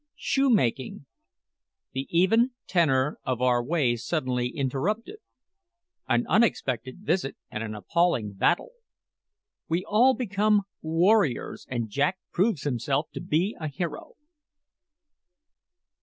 SHOEMAKING THE EVEN TENOR OF OUR WAY SUDDENLY INTERRUPTED AN UNEXPECTED VISIT AND AN APPALLING BATTLE WE ALL BECOME WARRIORS, AND JACK PROVES HIMSELF TO BE A HERO.